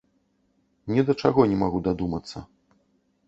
Ні да чаго не магу дадумацца.